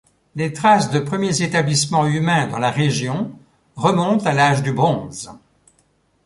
Les traces de premiers établissements humains dans la région remontent à l'âge du bronze.